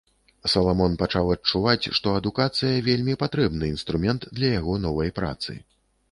Саламон пачаў адчуваць, што адукацыя вельмі патрэбны інструмент для яго новай працы.